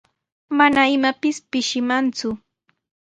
Mana imapis pishimanku.